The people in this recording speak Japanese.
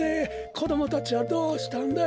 こどもたちはどうしたんだい？